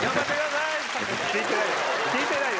聞いてないよ。